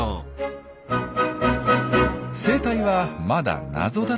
生態はまだ謎だらけ。